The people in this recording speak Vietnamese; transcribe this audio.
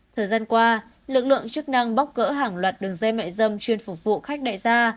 thời gian qua lực lượng chức năng bóc gỡ hàng loạt đường dây mại dâm chuyên phục vụ khách đại gia